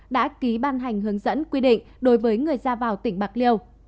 đã ký ban hành hướng dẫn quy định đối với người ra vào tỉnh bạc liêu